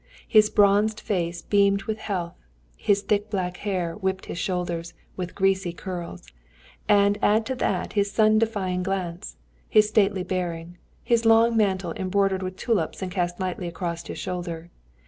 His bronzed face beamed with health, his thick black hair whipped his shoulders with its greasy curls, and add to that his sun defying glance, his stately bearing, his long mantle embroidered with tulips and cast lightly across his shoulder.